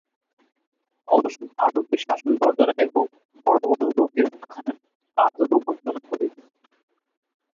অবশ্য ভারতের শাসনকর্তারা এবং বড় বড় লোকেরা তাঁহার আদর অভ্যর্থনা করিবেন।